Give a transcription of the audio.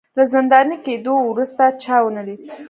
له زنداني کېدو وروسته چا ونه لید